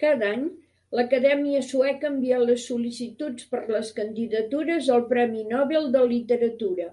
Cada any, l'Acadèmia Sueca envia les sol·licituds per les candidatures al Premi Nobel de Literatura.